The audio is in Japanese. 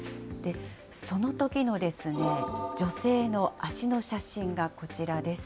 そのときの女性の足の写真がこちらです。